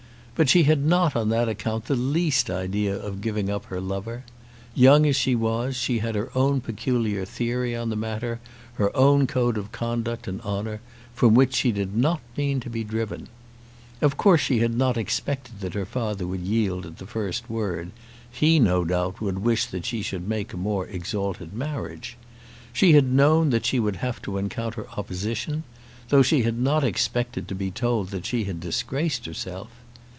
But she had not on that account the least idea of giving up her lover. Young as she was, she had her own peculiar theory on that matter, her own code of conduct and honour, from which she did not mean to be driven. Of course she had not expected that her father would yield at the first word. He, no doubt, would wish that she should make a more exalted marriage. She had known that she would have to encounter opposition, though she had not expected to be told that she had disgraced herself.